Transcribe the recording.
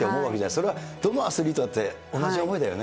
それはどのアスリートだって同じ思いだよね。